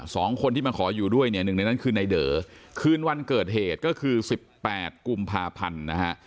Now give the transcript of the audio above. สองคนที่มาขออยู่ด้วยเนี่ยหนึ่งในนั้นคือในเด๋อคืนวันเกิดเหตุก็คือสิบแปดกุมภาพันธ์นะฮะ